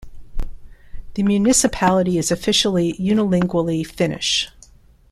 The municipality is officially unilingually Finnish.